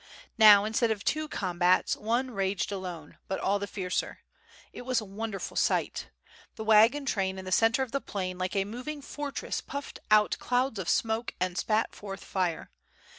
Now instead of two combats one raged alone, but all the fiercer. It was a wonderful sight. The wagon train in the centre of the plain like a moving fortress puffed out clouds of smoke and spat forth fire.